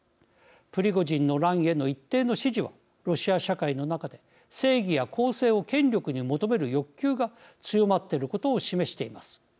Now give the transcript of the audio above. プリゴジンの乱への一定の支持はロシア社会の中で正義や公正を権力に求める欲求が強まっていることを示しています。